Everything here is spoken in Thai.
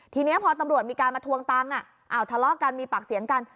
ทีนี้พอตำรวจมีการมาทวงตังค์ทะเลาะกันมีปากเสียงกัน